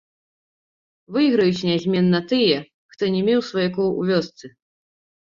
Выйграюць нязменна тыя, хто не меў сваякоў у вёсцы.